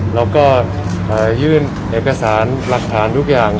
เราก็ยื่นเอกสารหลักฐานทุกอย่าง